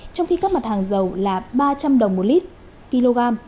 trong khi các mặt hàng dầu là ba trăm linh đồng một lít kg